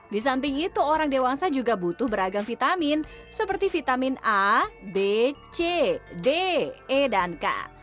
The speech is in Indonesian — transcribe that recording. di samping itu orang dewasa juga butuh beragam vitamin seperti vitamin a b c d e dan k